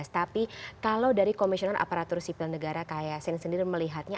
tapi kalau dari komisioner aparatur sipil negara kak yasin sendiri melihatnya